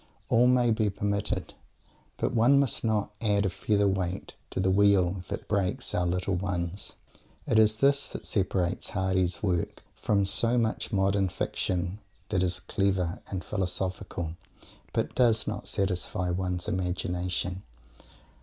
"All may be permitted," but one must not add a feather's weight to the wheel that breaks our "little ones." It is this that separates Mr. Hardy's work from so much modern fiction that is clever and "philosophical" but does not satisfy one's imagination.